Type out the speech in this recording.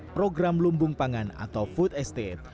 program lumbung pangan atau food estate